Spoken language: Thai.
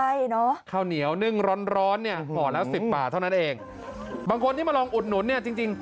ใช่เนอะข้าวเหนียวนึ่งร้อนร้อนเนี่ยห่อละสิบบาทเท่านั้นเองบางคนที่มาลองอุดหนุนเนี่ยจริงจริง